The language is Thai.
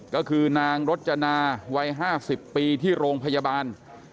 ก็คือนางรจนาวัย๕๐ปีที่โรงพยาบาล